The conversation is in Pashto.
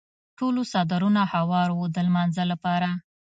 ټولو څادرونه هوار وو د لمانځه لپاره.